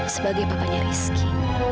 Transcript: sebagai papanya rizky